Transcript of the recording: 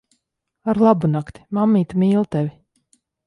Arlabunakti. Mammīte mīl tevi.